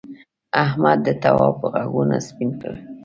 احمد د تواب غوږونه سپین کړل.